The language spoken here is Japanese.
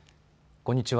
こんにちは。